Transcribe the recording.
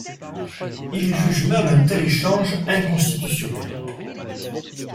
Il juge même un tel échange inconstitutionnel.